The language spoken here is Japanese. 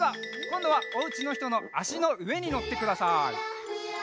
こんどはおうちのひとのあしのうえにのってください。